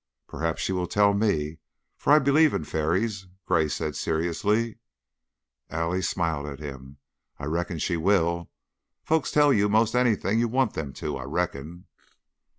"Perhaps she will tell me, for I believe in fairies," Gray said, seriously. Allie smiled at him. "I reckon she will. Folks tell you 'most anything you want them to, I reckon."